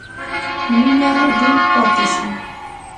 مینه دې پاتې شي.